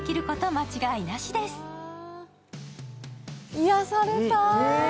癒やされた。